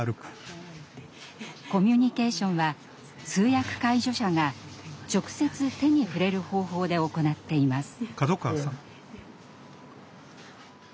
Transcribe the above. コミュニケーションは通訳・介助者が直接手に触れる方法で行っています。